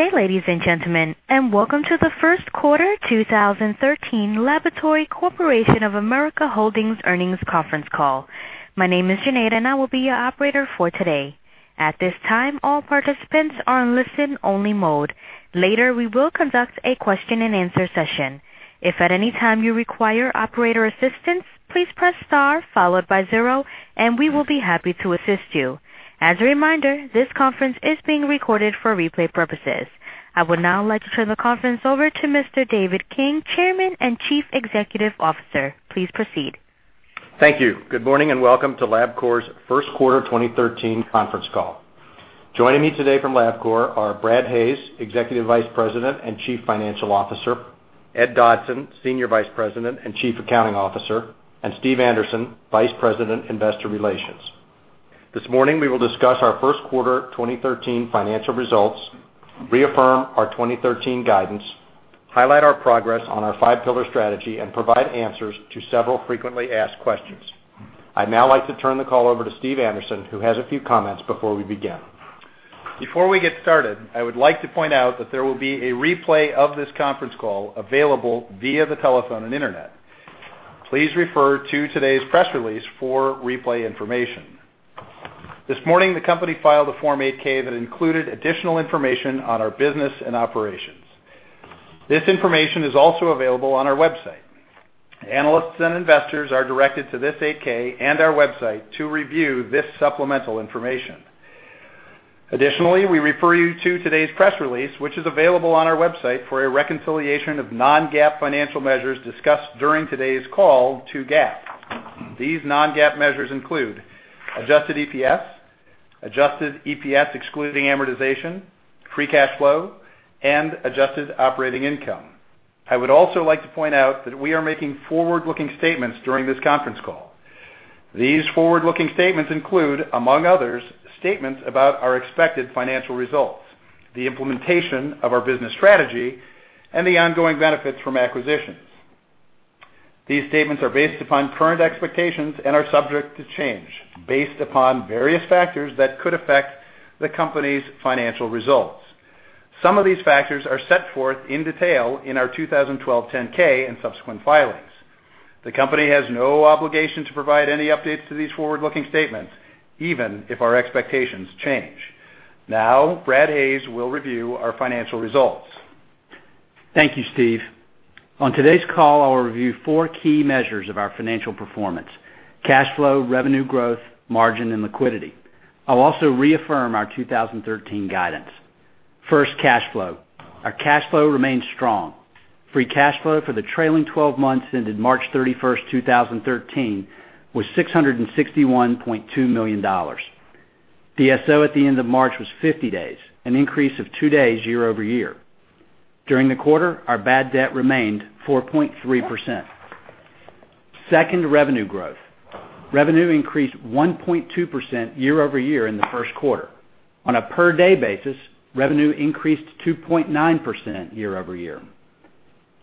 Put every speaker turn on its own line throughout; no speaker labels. Okay, ladies and gentlemen, and welcome to the first quarter 2013 Laboratory Corporation of America Holdings earnings conference call. My name is Janeita, and I will be your operator for today. At this time, all participants are in listen-only mode. Later, we will conduct a question-and-answer session. If at any time you require operator assistance, please press star followed by zero, and we will be happy to assist you. As a reminder, this conference is being recorded for replay purposes. I would now like to turn the conference over to Mr. David King, Chairman and Chief Executive Officer. Please proceed.
Thank you. Good morning and welcome to Labcorp's first quarter 2013 conference call. Joining me today from Labcorp are Brad Hayes, Executive Vice President and Chief Financial Officer, Ed Dodson, Senior Vice President and Chief Accounting Officer, and Steve Anderson, Vice President, Investor Relations. This morning, we will discuss our first quarter 2013 financial results, reaffirm our 2013 guidance, highlight our progress on our five-pillar strategy, and provide answers to several frequently asked questions. I'd now like to turn the call over to Steve Anderson, who has a few comments before we begin. Before we get started, I would like to point out that there will be a replay of this conference call available via the telephone and internet. Please refer to today's press release for replay information. This morning, the company filed a Form 8-K that included additional information on our business and operations. This information is also available on our website. Analysts and investors are directed to this 8-K and our website to review this supplemental information. Additionally, we refer you to today's press release, which is available on our website for a reconciliation of non-GAAP financial measures discussed during today's call to GAAP. These non-GAAP measures include Adjusted EPS, Adjusted EPS excluding amortization, free cash flow, and adjusted operating income. I would also like to point out that we are making forward-looking statements during this conference call. These forward-looking statements include, among others, statements about our expected financial results, the implementation of our business strategy, and the ongoing benefits from acquisitions. These statements are based upon current expectations and are subject to change based upon various factors that could affect the company's financial results. Some of these factors are set forth in detail in our 2012 10-K and subsequent filings. The company has no obligation to provide any updates to these forward-looking statements, even if our expectations change. Now, Brad Hayes will review our financial results.
Thank you, Steve. On today's call, I will review four key measures of our financial performance: cash flow, revenue growth, margin, and liquidity. I'll also reaffirm our 2013 guidance. First, cash flow. Our cash flow remains strong. Free cash flow for the trailing 12 months ended March 31, 2013, was $661.2 million. DSO at the end of March was 50 days, an increase of two days year over year. During the quarter, our bad debt remained 4.3%. Second, revenue growth. Revenue increased 1.2% year over year in the first quarter. On a per-day basis, revenue increased 2.9% year over year.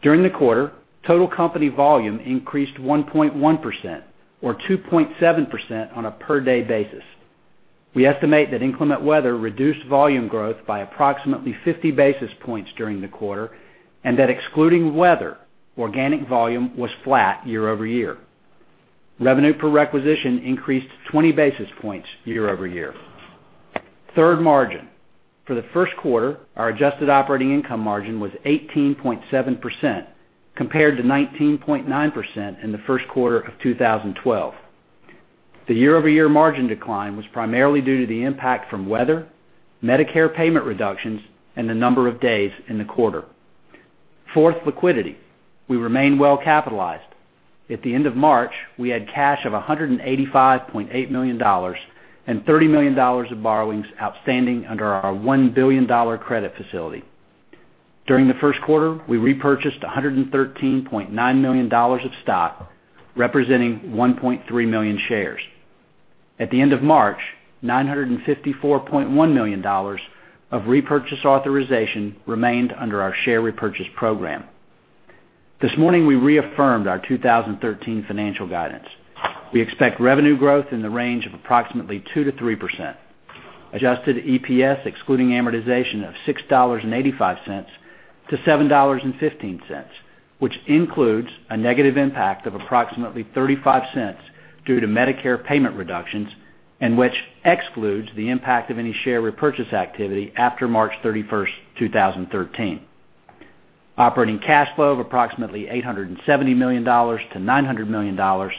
During the quarter, total company volume increased 1.1%, or 2.7% on a per-day basis. We estimate that inclement weather reduced volume growth by approximately 50 basis points during the quarter and that excluding weather, organic volume was flat year over year. Revenue per requisition increased 20 basis points year over year. Third, margin. For the first quarter, our adjusted operating income margin was 18.7% compared to 19.9% in the first quarter of 2012. The year-over-year margin decline was primarily due to the impact from weather, Medicare payment reductions, and the number of days in the quarter. Fourth, liquidity. We remain well-capitalized. At the end of March, we had cash of $185.8 million and $30 million of borrowings outstanding under our $1 billion credit facility. During the first quarter, we repurchased $113.9 million of stock, representing 1.3 million shares. At the end of March, $954.1 million of repurchase authorization remained under our share repurchase program. This morning, we reaffirmed our 2013 financial guidance. We expect revenue growth in the range of approximately 2-3%. Adjusted EPS, excluding amortization, of $6.85-$7.15, which includes a negative impact of approximately $0.35 due to Medicare payment reductions and which excludes the impact of revenue share of any share repurchase activity after March 31st, 2013, operating cash flow of approximately $870 million-$900 million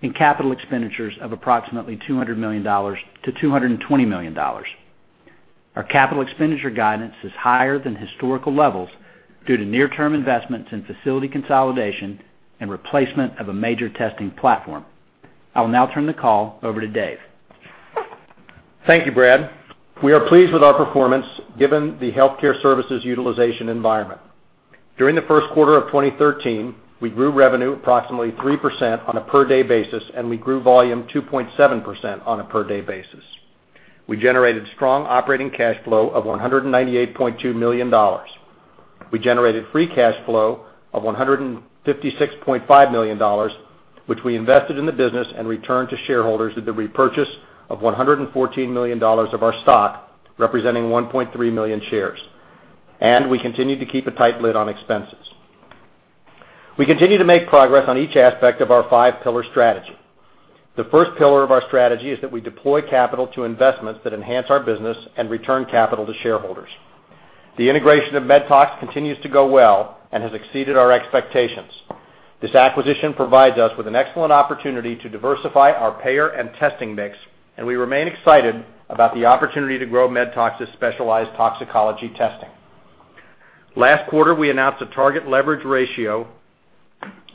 in capital expenditures of approximately $200 million-$220 million. Our capital expenditure guidance is higher than historical levels due to near term investments in facility consolidation and replacement of a major testing platform. I'll now turn the call over to Dave.
Thank you, Brad. We are pleased with our performance given the healthcare services utilization environment. During the first quarter of 2013, we grew revenue approximately 3% on a per-day basis, and we grew volume 2.7% on a per-day basis. We generated strong operating cash flow of $198.2 million. We generated free cash flow of $156.5 million, which we invested in the business and returned to shareholders with the repurchase of $114 million of our stock, representing 1.3 million shares. We continue to keep a tight lid on expenses. We continue to make progress on each aspect of our five-pillar strategy. The first pillar of our strategy is that we deploy capital to investments that enhance our business and return capital to shareholders. The integration of MedTox continues to go well and has exceeded our expectations. This acquisition provides us with an excellent opportunity to diversify our payer and testing mix, and we remain excited about the opportunity to grow MedTox's specialized toxicology testing. Last quarter, we announced a target leverage ratio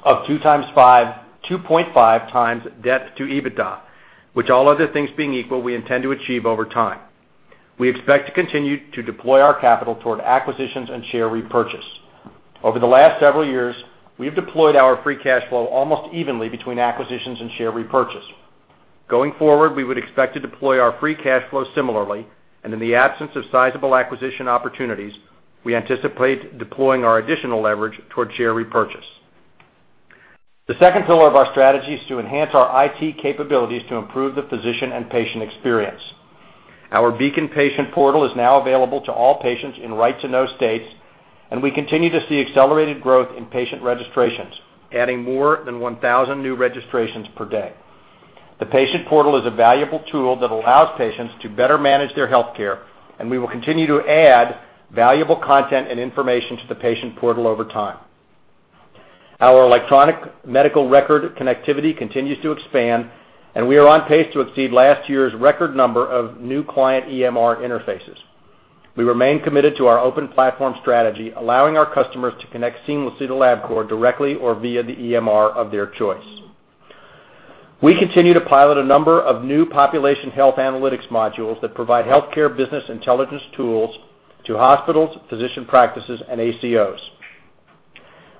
of 2.5 times debt to EBITDA, which, all other things being equal, we intend to achieve over time. We expect to continue to deploy our capital toward acquisitions and share repurchase. Over the last several years, we have deployed our free cash flow almost evenly between acquisitions and share repurchase. Going forward, we would expect to deploy our free cash flow similarly, and in the absence of sizable acquisition opportunities, we anticipate deploying our additional leverage toward share repurchase. The second pillar of our strategy is to enhance our IT capabilities to improve the physician and patient experience. Our Beacon Patient Portal is now available to all patients in right-to-know states, and we continue to see accelerated growth in patient registrations, adding more than 1,000 new registrations per day. The patient portal is a valuable tool that allows patients to better manage their healthcare, and we will continue to add valuable content and information to the patient portal over time. Our electronic medical record connectivity continues to expand, and we are on pace to exceed last year's record number of new client EMR interfaces. We remain committed to our open platform strategy, allowing our customers to connect seamlessly to Labcorp directly or via the EMR of their choice. We continue to pilot a number of new population health analytics modules that provide healthcare business intelligence tools to hospitals, physician practices, and ACOs.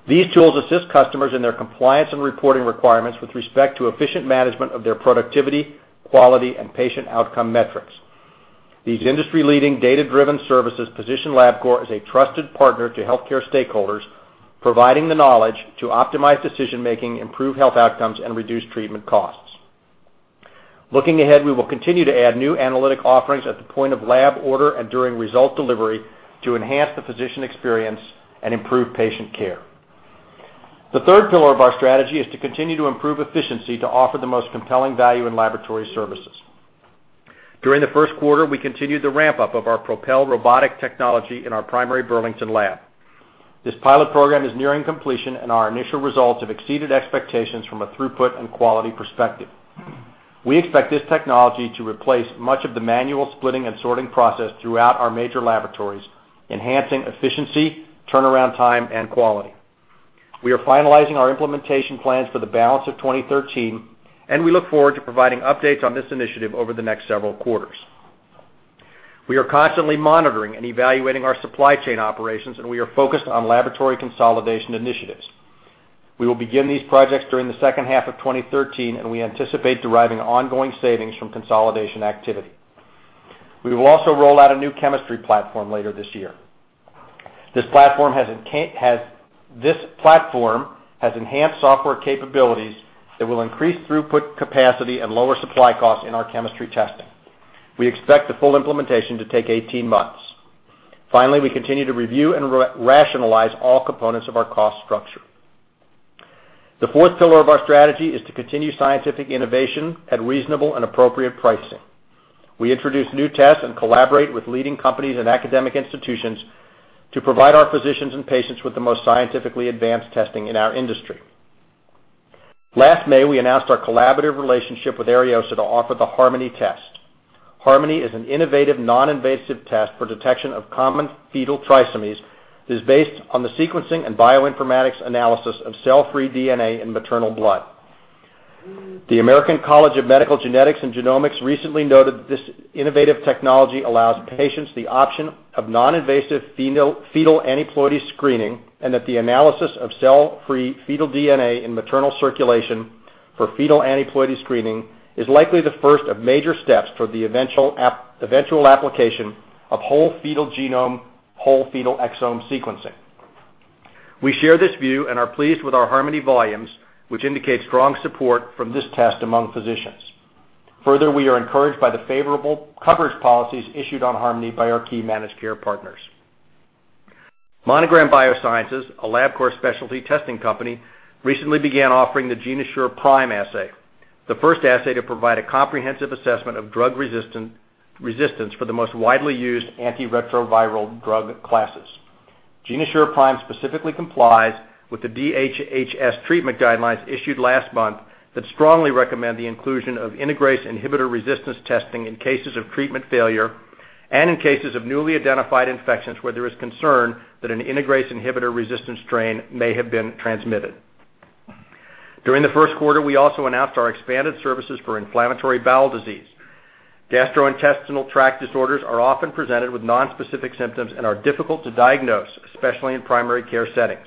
These tools assist customers in their compliance and reporting requirements with respect to efficient management of their productivity, quality, and patient outcome metrics. These industry-leading data-driven services position Labcorp as a trusted partner to healthcare stakeholders, providing the knowledge to optimize decision-making, improve health outcomes, and reduce treatment costs. Looking ahead, we will continue to add new analytic offerings at the point of lab order and during result delivery to enhance the physician experience and improve patient care. The third pillar of our strategy is to continue to improve efficiency to offer the most compelling value in laboratory services. During the first quarter, we continued the ramp-up of our Propel robotic technology in our primary Burlington lab. This pilot program is nearing completion, and our initial results have exceeded expectations from a throughput and quality perspective. We expect this technology to replace much of the manual splitting and sorting process throughout our major laboratories, enhancing efficiency, turnaround time, and quality. We are finalizing our implementation plans for the balance of 2013, and we look forward to providing updates on this initiative over the next several quarters. We are constantly monitoring and evaluating our supply chain operations, and we are focused on laboratory consolidation initiatives. We will begin these projects during the second half of 2013, and we anticipate deriving ongoing savings from consolidation activity. We will also roll out a new chemistry platform later this year. This platform has enhanced software capabilities that will increase throughput capacity and lower supply costs in our chemistry testing. We expect the full implementation to take 18 months. Finally, we continue to review and rationalize all components of our cost structure. The fourth pillar of our strategy is to continue scientific innovation at reasonable and appropriate pricing. We introduce new tests and collaborate with leading companies and academic institutions to provide our physicians and patients with the most scientifically advanced testing in our industry. Last May, we announced our collaborative relationship with Ariosa to offer the Harmony test. Harmony is an innovative non-invasive test for detection of common fetal trisomies that is based on the sequencing and bioinformatics analysis of cell-free DNA in maternal blood. The American College of Medical Genetics and Genomics recently noted that this innovative technology allows patients the option of non-invasive fetal aneuploidy screening and that the analysis of cell-free fetal DNA in maternal circulation for fetal aneuploidy screening is likely the first of major steps for the eventual application of whole fetal genome, whole fetal exome sequencing. We share this view and are pleased with our Harmony volumes, which indicate strong support from this test among physicians. Further, we are encouraged by the favorable coverage policies issued on Harmony by our key managed care partners. Monogram Biosciences, a Labcorp specialty testing company, recently began offering the GeneAssure Prime assay, the first assay to provide a comprehensive assessment of drug resistance for the most widely used antiretroviral drug classes. GeneAssure Prime specifically complies with the DHHS treatment guidelines issued last month that strongly recommend the inclusion of integrase inhibitor resistance testing in cases of treatment failure and in cases of newly identified infections where there is concern that an integrase inhibitor resistance strain may have been transmitted. During the first quarter, we also announced our expanded services for inflammatory bowel disease. Gastrointestinal tract disorders are often presented with nonspecific symptoms and are difficult to diagnose, especially in primary care settings.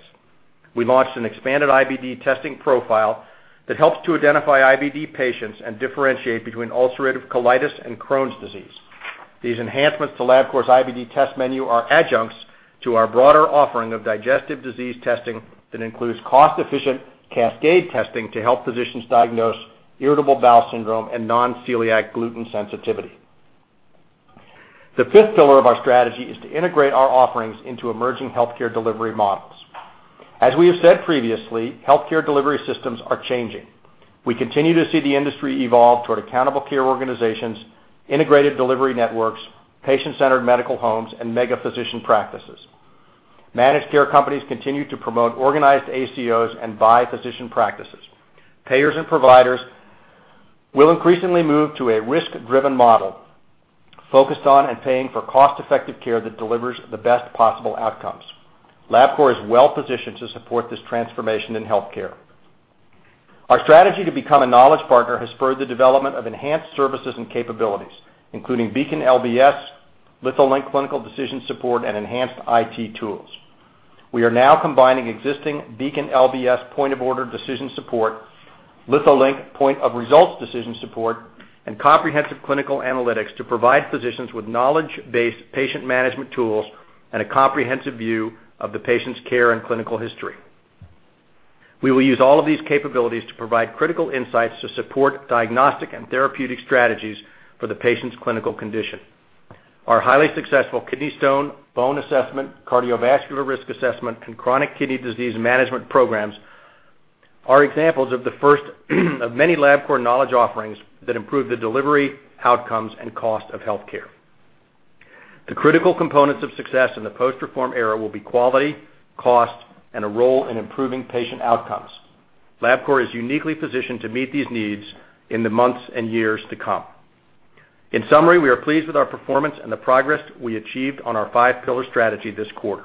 We launched an expanded IBD testing profile that helps to identify IBD patients and differentiate between ulcerative colitis and Crohn's disease. These enhancements to Labcorp's IBD test menu are adjuncts to our broader offering of digestive disease testing that includes cost-efficient cascade testing to help physicians diagnose irritable bowel syndrome and non-celiac gluten sensitivity. The fifth pillar of our strategy is to integrate our offerings into emerging healthcare delivery models. As we have said previously, healthcare delivery systems are changing. We continue to see the industry evolve toward accountable care organizations, integrated delivery networks, patient-centered medical homes, and mega-physician practices. Managed care companies continue to promote organized ACOs and by-physician practices. Payers and providers will increasingly move to a risk-driven model focused on and paying for cost-effective care that delivers the best possible outcomes. Labcorp is well-positioned to support this transformation in healthcare. Our strategy to become a knowledge partner has spurred the development of enhanced services and capabilities, including Beacon LBS, Litholink clinical decision support, and enhanced IT tools. We are now combining existing Beacon LBS point-of-order decision support, Litholink point-of-results decision support, and comprehensive clinical analytics to provide physicians with knowledge-based patient management tools and a comprehensive view of the patient's care and clinical history. We will use all of these capabilities to provide critical insights to support diagnostic and therapeutic strategies for the patient's clinical condition. Our highly successful kidney stone, bone assessment, cardiovascular risk assessment, and chronic kidney disease management programs are examples of many Labcorp knowledge offerings that improve the delivery outcomes and cost of healthcare. The critical components of success in the post-reform era will be quality, cost, and a role in improving patient outcomes. Labcorp is uniquely positioned to meet these needs in the months and years to come. In summary, we are pleased with our performance and the progress we achieved on our five-pillar strategy this quarter.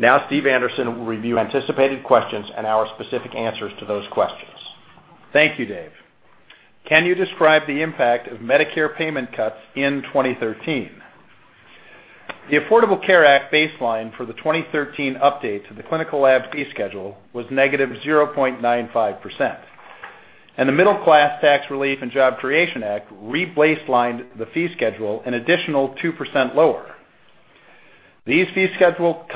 Now, Steve Anderson will review anticipated questions and our specific answers to those questions.
Thank you, Dave. Can you describe the impact of Medicare payment cuts in 2013? The Affordable Care Act baseline for the 2013 update to the clinical lab fee schedule was negative 0.95%, and the Middle Class Tax Relief and Job Creation Act rebaselined the fee schedule an additional 2% lower. These fee schedule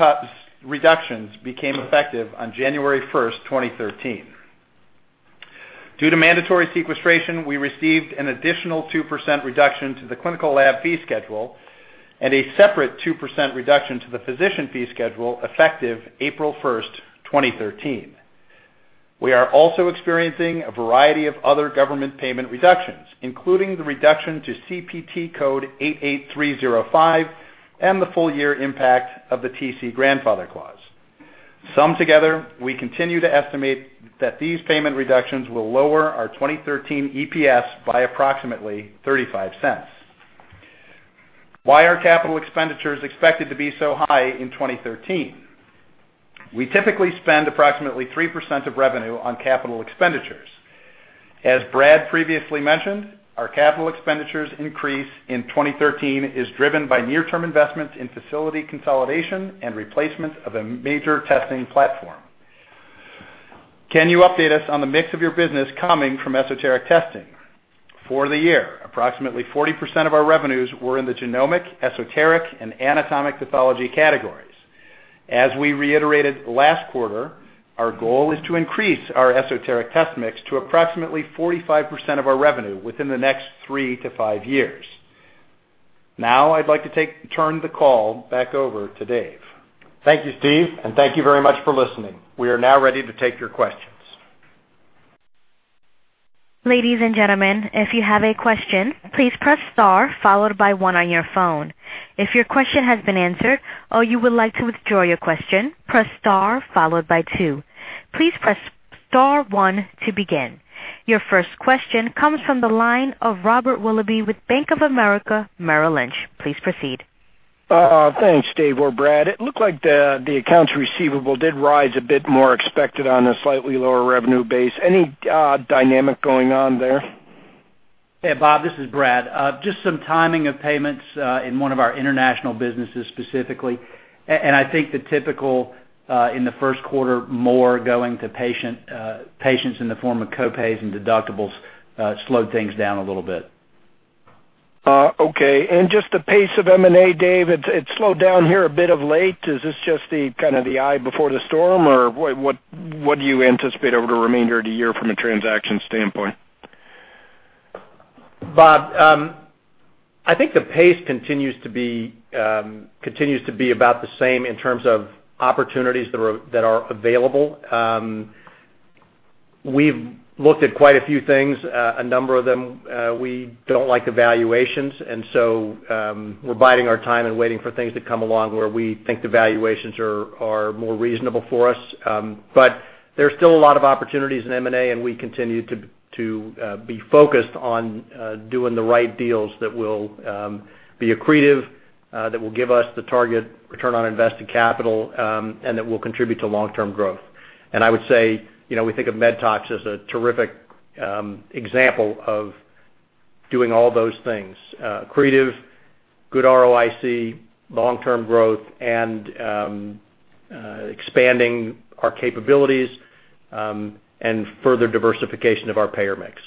reductions became effective on January 1, 2013. Due to mandatory sequestration, we received an additional 2% reduction to the clinical lab fee schedule and a separate 2% reduction to the physician fee schedule effective April 1, 2013. We are also experiencing a variety of other government payment reductions, including the reduction to CPT code 88305 and the full-year impact of the TC Grandfather Clause. Summed together, we continue to estimate that these payment reductions will lower our 2013 EPS by approximately $0.35. Why are capital expenditures expected to be so high in 2013? We typically spend approximately 3% of revenue on capital expenditures. As Brad previously mentioned, our capital expenditures increase in 2013 is driven by near-term investments in facility consolidation and replacement of a major testing platform. Can you update us on the mix of your business coming from esoteric testing? For the year, approximately 40% of our revenues were in the genomic, esoteric, and anatomic pathology categories. As we reiterated last quarter, our goal is to increase our esoteric test mix to approximately 45% of our revenue within the next three to five years. Now, I'd like to turn the call back over to Dave.
Thank you, Steve, and thank you very much for listening. We are now ready to take your questions.
Ladies and gentlemen, if you have a question, please press star followed by one on your phone. If your question has been answered or you would like to withdraw your question, press star followed by two. Please press star one to begin. Your first question comes from the line of Robert Willoughby with Bank of America Merrill Lynch. Please proceed.
Thanks, Dave or Brad. It looked like the accounts receivable did rise a bit more than expected on a slightly lower revenue base. Any dynamic going on there?
Hey, Rob, this is Brad. Just some timing of payments in one of our international businesses specifically, and I think the typical in the first quarter, more going to patients in the form of copays and deductibles slowed things down a little bit.
Okay. Just the pace of M&A, Dave, it slowed down here a bit of late. Is this just kind of the eye before the storm, or what do you anticipate over the remainder of the year from a transaction standpoint?
Rob, I think the pace continues to be about the same in terms of opportunities that are available. We've looked at quite a few things, a number of them. We don't like the valuations, and so we're biding our time and waiting for things to come along where we think the valuations are more reasonable for us. There's still a lot of opportunities in M&A, and we continue to be focused on doing the right deals that will be accretive, that will give us the target return on invested capital, and that will contribute to long-term growth. I would say we think of MedTox as a terrific example of doing all those things: accretive, good ROIC, long-term growth, and expanding our capabilities and further diversification of our payer mix.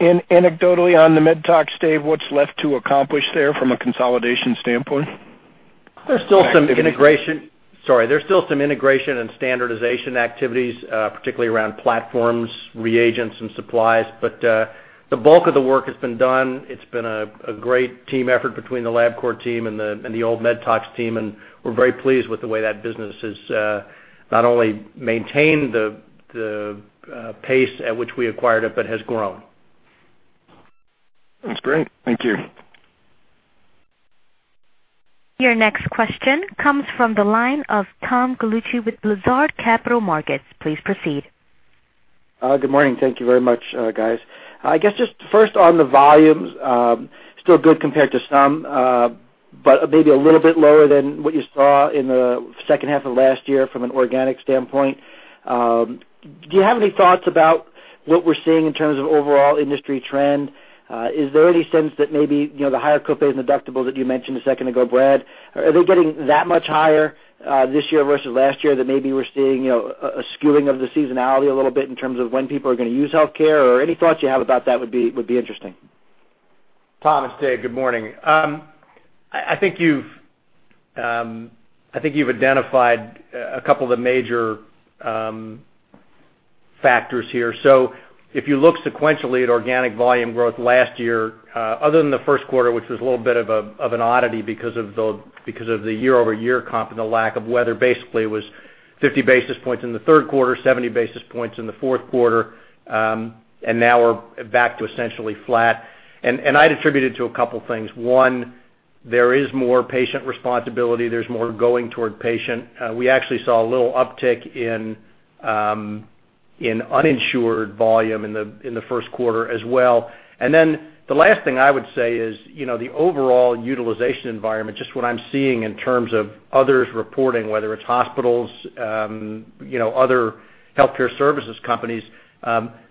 Anecdotally on the MedTox, Dave, what's left to accomplish there from a consolidation standpoint? There's still some integration—sorry—there's still some integration and standardization activities, particularly around platforms, reagents, and supplies. The bulk of the work has been done. It's been a great team effort between the Labcorp team and the old MedTox team, and we're very pleased with the way that business has not only maintained the pace at which we acquired it but has grown.
That's great. Thank you.
Your next question comes from the line of Tom Gallucci with Lazard Capital Markets. Please proceed.
Good morning. Thank you very much, guys. I guess just first on the volumes, still good compared to some, but maybe a little bit lower than what you saw in the second half of last year from an organic standpoint. Do you have any thoughts about what we're seeing in terms of overall industry trend? Is there any sense that maybe the higher copays and deductibles that you mentioned a second ago, Brad, are they getting that much higher this year versus last year that maybe we're seeing a skewing of the seasonality a little bit in terms of when people are going to use healthcare? Or any thoughts you have about that would be interesting.
Tom it's Dave, good morning. I think you've identified a couple of the major factors here. If you look sequentially at organic volume growth last year, other than the first quarter, which was a little bit of an oddity because of the year-over-year comp and the lack of weather, basically it was 50 basis points in the third quarter, 70 basis points in the fourth quarter, and now we're back to essentially flat. I'd attribute it to a couple of things. One, there is more patient responsibility. There's more going toward patient. We actually saw a little uptick in uninsured volume in the first quarter as well. The last thing I would say is the overall utilization environment, just what I'm seeing in terms of others reporting, whether it's hospitals, other healthcare services companies,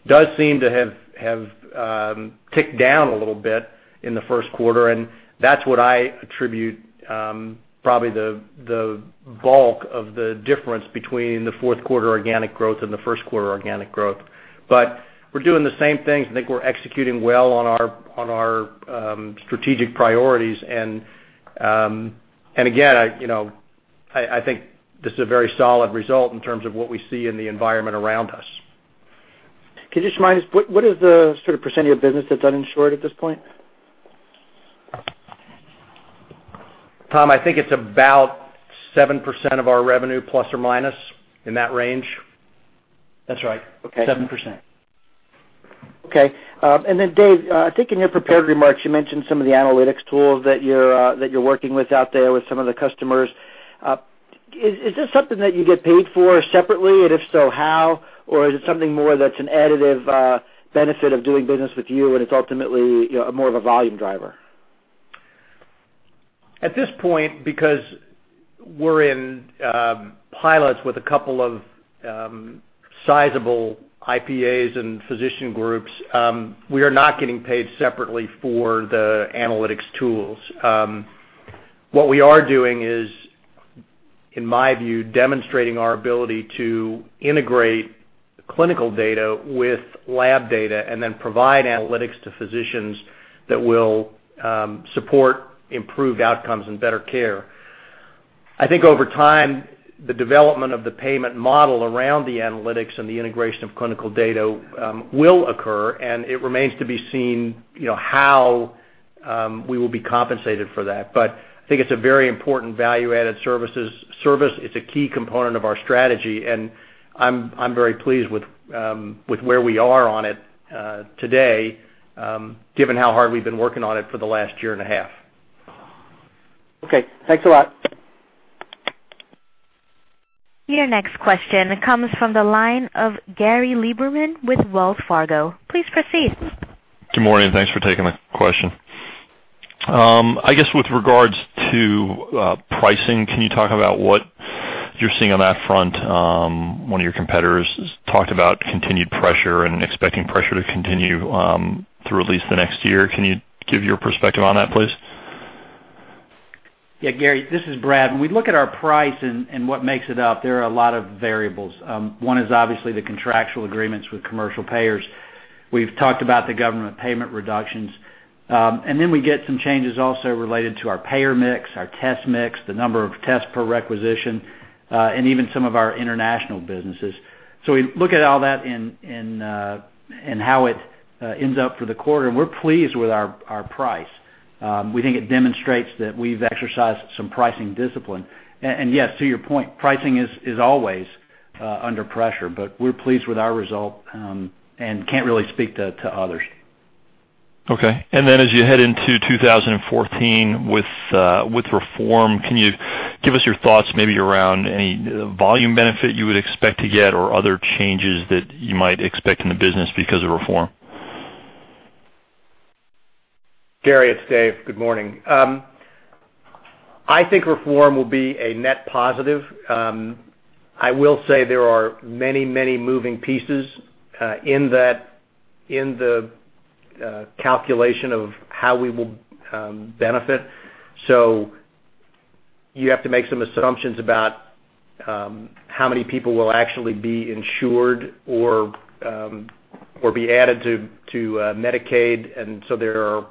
does seem to have ticked down a little bit in the first quarter. That's what I attribute probably the bulk of the difference between the fourth quarter organic growth and the first quarter organic growth. We're doing the same things. I think we're executing well on our strategic priorities. Again, I think this is a very solid result in terms of what we see in the environment around us.
Can you just remind us, what is the sort of percent of your business that's uninsured at this point?
Tom, I think it's about 7% of our revenue, plus or minus, in that range.
That's right. 7%. Okay. And then, Dave, I think in your prepared remarks, you mentioned some of the analytics tools that you're working with out there with some of the customers. Is this something that you get paid for separately, and if so, how? Or is it something more that's an additive benefit of doing business with you, and it's ultimately more of a volume driver?
At this point, because we're in pilots with a couple of sizable IPAs and physician groups, we are not getting paid separately for the analytics tools. What we are doing is, in my view, demonstrating our ability to integrate clinical data with lab data and then provide analytics to physicians that will support improved outcomes and better care. I think over time, the development of the payment model around the analytics and the integration of clinical data will occur, and it remains to be seen how we will be compensated for that. I think it's a very important value-added service. It's a key component of our strategy, and I'm very pleased with where we are on it today, given how hard we've been working on it for the last year and a half.
Okay. Thanks a lot.
Your next question comes from the line of Gary Liberman with Wells Fargo. Please proceed.
Good morning. Thanks for taking my question. I guess with regards to pricing, can you talk about what you're seeing on that front? One of your competitors talked about continued pressure and expecting pressure to continue through at least the next year. Can you give your perspective on that, please?
Yeah, Gary, this is Brad. When we look at our price and what makes it up, there are a lot of variables. One is obviously the contractual agreements with commercial payers. We have talked about the government payment reductions. We get some changes also related to our payer mix, our test mix, the number of tests per requisition, and even some of our international businesses. We look at all that and how it ends up for the quarter, and we are pleased with our price. We think it demonstrates that we have exercised some pricing discipline. Yes, to your point, pricing is always under pressure, but we are pleased with our result and cannot really speak to others.
Okay. As you head into 2014 with reform, can you give us your thoughts maybe around any volume benefit you would expect to get or other changes that you might expect in the business because of reform?
Gary, it's Dave. Good morning. I think reform will be a net positive. I will say there are many, many moving pieces in the calculation of how we will benefit. You have to make some assumptions about how many people will actually be insured or be added to Medicaid. You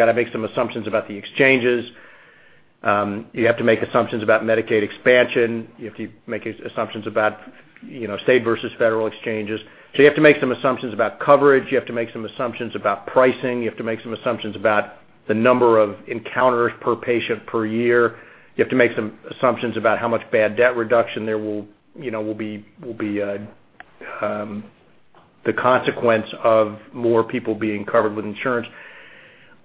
have to make some assumptions about the exchanges. You have to make assumptions about Medicaid expansion. You have to make assumptions about state versus federal exchanges. You have to make some assumptions about coverage. You have to make some assumptions about pricing. You have to make some assumptions about the number of encounters per patient per year. You have to make some assumptions about how much bad debt reduction there will be the consequence of more people being covered with insurance.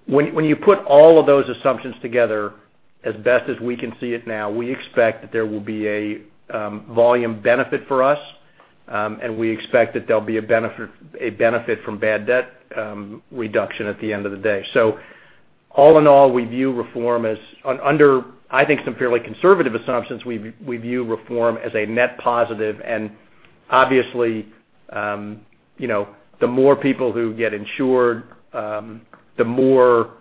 When you put all of those assumptions together, as best as we can see it now, we expect that there will be a volume benefit for us, and we expect that there'll be a benefit from bad debt reduction at the end of the day. All in all, we view reform as under, I think, some fairly conservative assumptions. We view reform as a net positive. Obviously, the more people who get insured, the more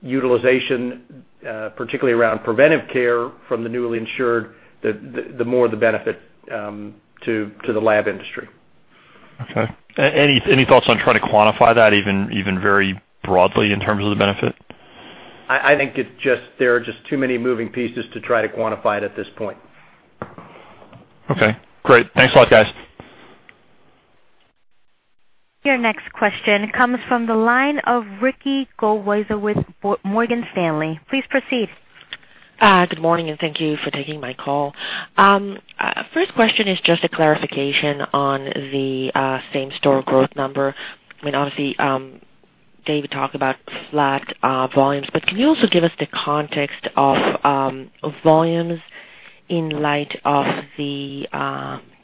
utilization, particularly around preventive care from the newly insured, the more the benefit to the lab industry.
Okay. Any thoughts on trying to quantify that even very broadly in terms of the benefit?
I think there are just too many moving pieces to try to quantify it at this point.
Okay. Great. Thanks a lot, guys.
Your next question comes from the line of Ricky Goldwasser with Morgan Stanley. Please proceed.
Good morning, and thank you for taking my call. First question is just a clarification on the same store growth number. I mean, obviously, Dave talked about flat volumes, but can you also give us the context of volumes in light of the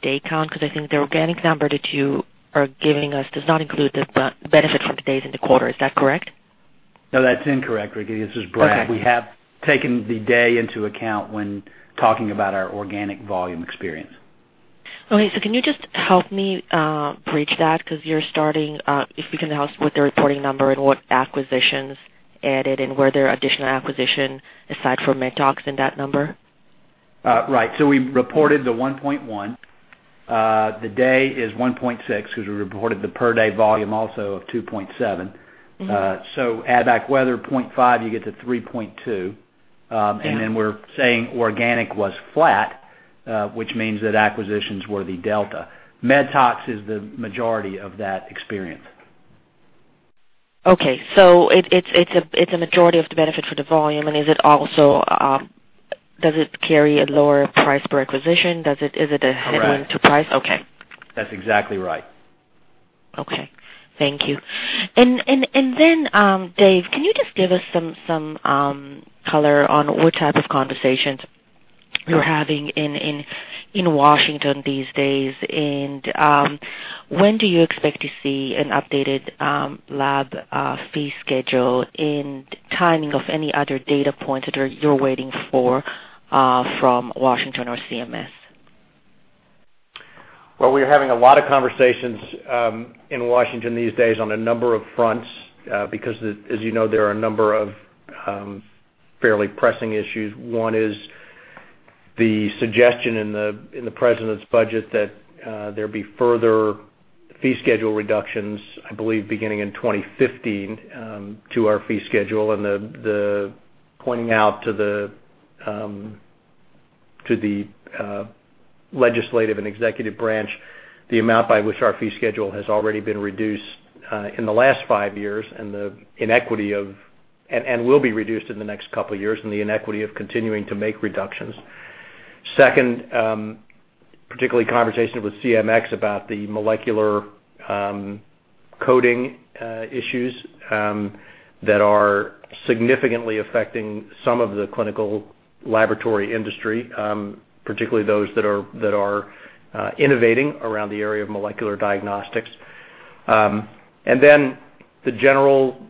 day count? Because I think the organic number that you are giving us does not include the benefit from today's in the quarter. Is that correct?
No, that's incorrect, Ricky. This is Brad. We have taken the day into account when talking about our organic volume experience.
Okay. So can you just help me bridge that? Because you're starting, if you can help us with the reporting number and what acquisitions added and were there additional acquisitions aside from MedTox in that number?
Right. So we reported the 1.1. The day is 1.6 because we reported the per-day volume also of 2.7. Add back weather, 0.5, you get to 3.2. We are saying organic was flat, which means that acquisitions were the delta. MedTox is the majority of that experience.
Okay. It is a majority of the benefit for the volume, and is it also, does it carry a lower price per acquisition? Is it a headwind to price? Okay.
That's exactly right.
Thank you. Then, Dave, can you just give us some color on what type of conversations you're having in Washington these days? When do you expect to see an updated lab fee schedule and timing of any other data points that you're waiting for from Washington or CMS?
We're having a lot of conversations in Washington these days on a number of fronts because, as you know, there are a number of fairly pressing issues. One is the suggestion in the president's budget that there be further fee schedule reductions, I believe, beginning in 2015 to our fee schedule. The pointing out to the legislative and executive branch the amount by which our fee schedule has already been reduced in the last five years and the inequity of and will be reduced in the next couple of years and the inequity of continuing to make reductions. Second, particularly conversations with CMS about the molecular coding issues that are significantly affecting some of the clinical laboratory industry, particularly those that are innovating around the area of molecular diagnostics. Then the general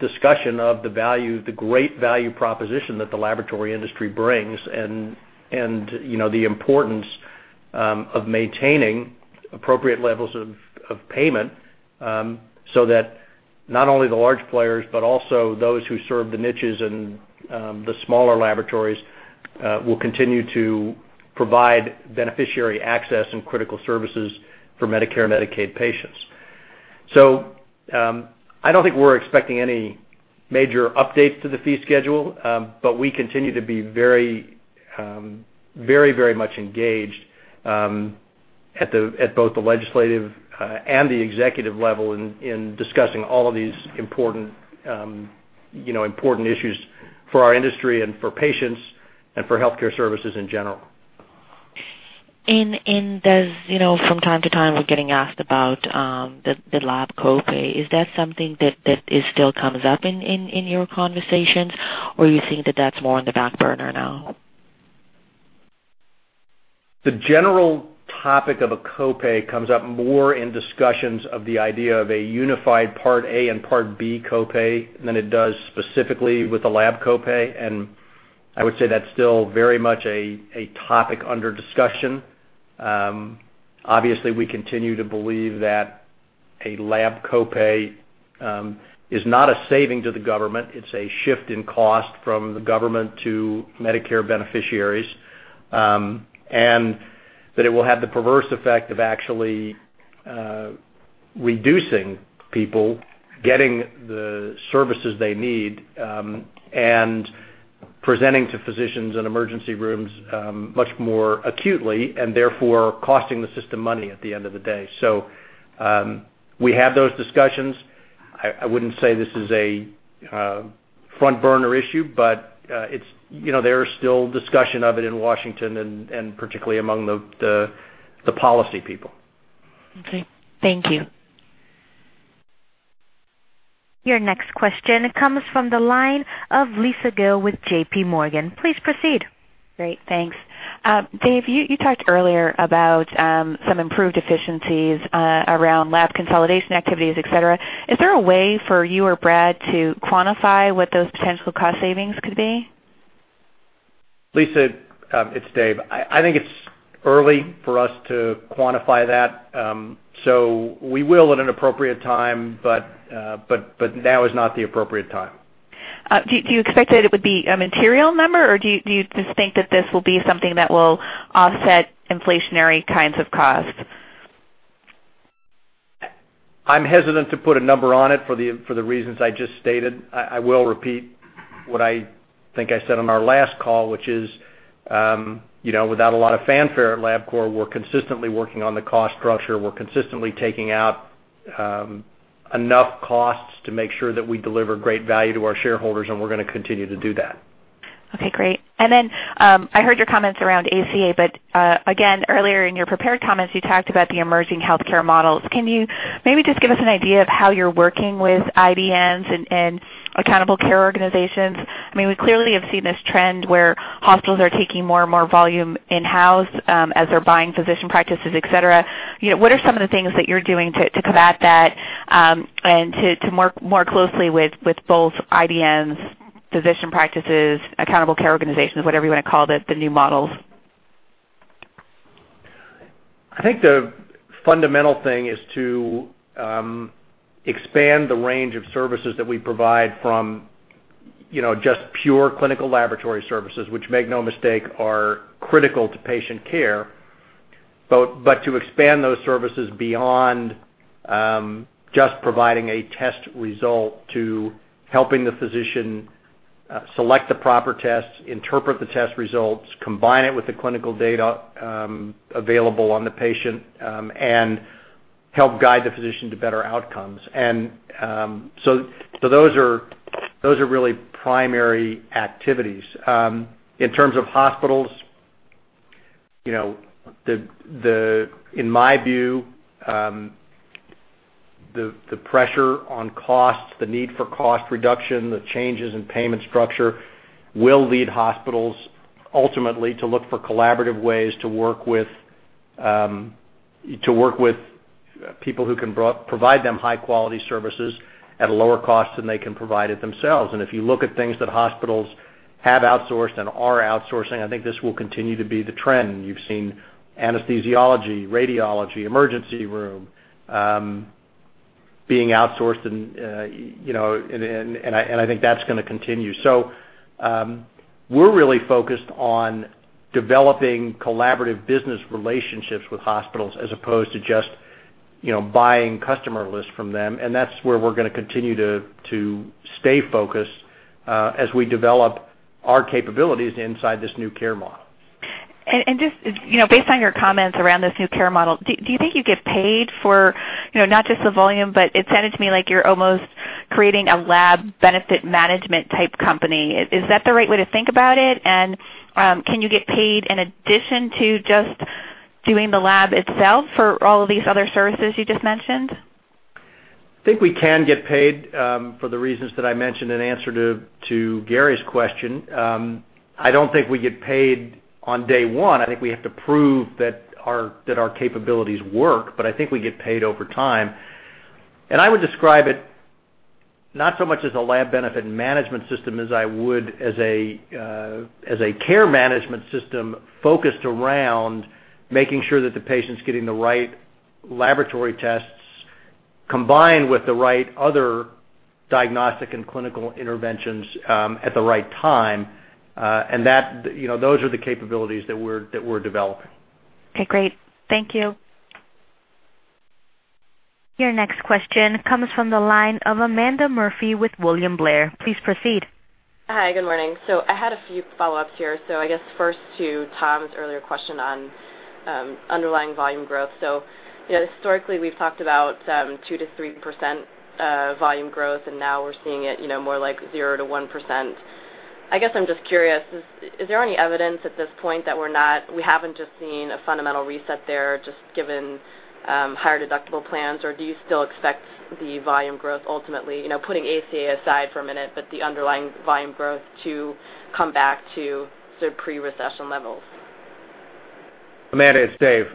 discussion of the great value proposition that the laboratory industry brings and the importance of maintaining appropriate levels of payment so that not only the large players but also those who serve the niches and the smaller laboratories will continue to provide beneficiary access and critical services for Medicare and Medicaid patients. I do not think we are expecting any major updates to the fee schedule, but we continue to be very, very much engaged at both the legislative and the executive level in discussing all of these important issues for our industry and for patients and for healthcare services in general.
From time to time, we are getting asked about the lab copay. Is that something that still comes up in your conversations, or do you think that that's more on the back burner now?
The general topic of a copay comes up more in discussions of the idea of a unified Part A and Part B copay than it does specifically with the lab copay. I would say that's still very much a topic under discussion. Obviously, we continue to believe that a lab copay is not a saving to the government. It's a shift in cost from the government to Medicare beneficiaries, and that it will have the perverse effect of actually reducing people getting the services they need, and presenting to physicians and emergency rooms much more acutely and therefore costing the system money at the end of the day. We have those discussions. I wouldn't say this is a front burner issue, but there is still discussion of it in Washington and particularly among the policy people.
Okay. Thank you.
Your next question comes from the line of Lisa Gill with JP Morgan. Please proceed.
Great. Thanks. Dave, you talked earlier about some improved efficiencies around lab consolidation activities, etc. Is there a way for you or Brad to quantify what those potential cost savings could be?
Lisa, it's Dave. I think it's early for us to quantify that. So we will at an appropriate time, but now is not the appropriate time.
Do you expect that it would be a material number, or do you just think that this will be something that will offset inflationary kinds of costs?
I'm hesitant to put a number on it for the reasons I just stated. I will repeat what I think I said on our last call, which is, without a lot of fanfare at Labcorp, we're consistently working on the cost structure. We're consistently taking out enough costs to make sure that we deliver great value to our shareholders, and we're going to continue to do that.
Okay. Great. I heard your comments around ACA, but again, earlier in your prepared comments, you talked about the emerging healthcare models. Can you maybe just give us an idea of how you're working with IDNs and accountable care organizations? I mean, we clearly have seen this trend where hospitals are taking more and more volume in-house as they're buying physician practices, etc. What are some of the things that you're doing to combat that and to work more closely with both IDNs, physician practices, accountable care organizations, whatever you want to call the new models?
I think the fundamental thing is to expand the range of services that we provide from just pure clinical laboratory services, which make no mistake are critical to patient care. To expand those services beyond just providing a test result to helping the physician select the proper tests, interpret the test results, combine it with the clinical data available on the patient, and help guide the physician to better outcomes. Those are really primary activities. In terms of hospitals, in my view, the pressure on costs, the need for cost reduction, the changes in payment structure will lead hospitals ultimately to look for collaborative ways to work with people who can provide them high-quality services at a lower cost than they can provide it themselves. If you look at things that hospitals have outsourced and are outsourcing, I think this will continue to be the trend. You've seen anesthesiology, radiology, emergency room being outsourced, and I think that's going to continue. We're really focused on developing collaborative business relationships with hospitals as opposed to just buying customer lists from them. That's where we're going to continue to stay focused as we develop our capabilities inside this new care model.
Just based on your comments around this new care model, do you think you get paid for not just the volume, but it sounded to me like you're almost creating a lab benefit management type company. Is that the right way to think about it? Can you get paid in addition to just doing the lab itself for all of these other services you just mentioned?
I think we can get paid for the reasons that I mentioned in answer to Gary's question. I don't think we get paid on day one. I think we have to prove that our capabilities work, but I think we get paid over time. I would describe it not so much as a lab benefit management system as I would as a care management system focused around making sure that the patient's getting the right laboratory tests combined with the right other diagnostic and clinical interventions at the right time. Those are the capabilities that we're developing.
Okay. Great. Thank you.
Your next question comes from the line of Amanda Murphy with William Blair. Please proceed.
Hi. Good morning. I had a few follow-ups here. I guess first to Tom's earlier question on underlying volume growth. Historically, we've talked about 2-3% volume growth, and now we're seeing it more like 0-1%. I guess I'm just curious, is there any evidence at this point that we haven't just seen a fundamental reset there just given higher deductible plans, or do you still expect the volume growth ultimately, putting ACA aside for a minute, but the underlying volume growth to come back to sort of pre-recession levels?
Amanda it's Dave,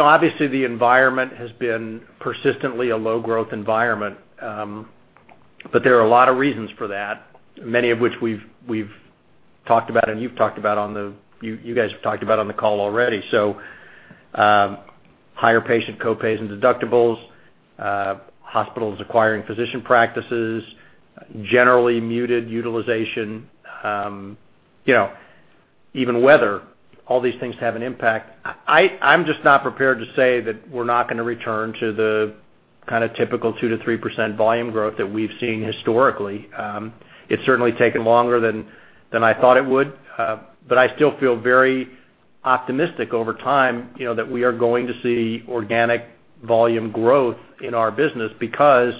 obviously, the environment has been persistently a low-growth environment, but there are a lot of reasons for that, many of which we've talked about and you've talked about on the call already. Higher patient copays and deductibles, hospitals acquiring physician practices, generally muted utilization, even weather. All these things have an impact. I'm just not prepared to say that we're not going to return to the kind of typical 2-3% volume growth that we've seen historically. It's certainly taken longer than I thought it would, but I still feel very optimistic over time that we are going to see organic volume growth in our business because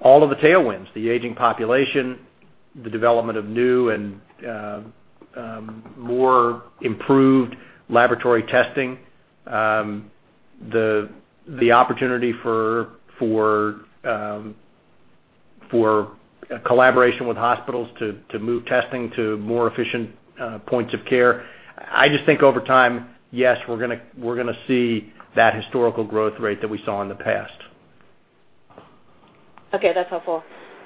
all of the tailwinds, the aging population, the development of new and more improved laboratory testing, the opportunity for collaboration with hospitals to move testing to more efficient points of care. I just think over time, yes, we're going to see that historical growth rate that we saw in the past.
Okay. That's helpful.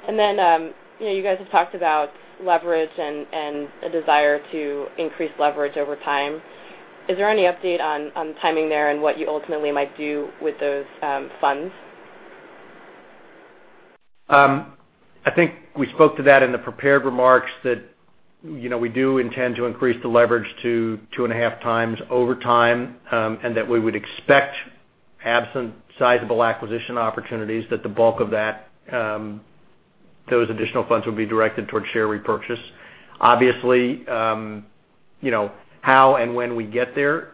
You guys have talked about leverage and a desire to increase leverage over time. Is there any update on timing there and what you ultimately might do with those funds?
I think we spoke to that in the prepared remarks that we do intend to increase the leverage to two and a half times over time and that we would expect absent sizable acquisition opportunities that the bulk of those additional funds would be directed towards share repurchase. Obviously, how and when we get there